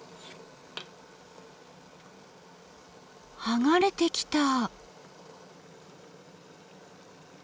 剥がれてきた。